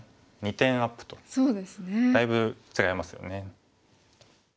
２点アップとだいぶ違いますよね。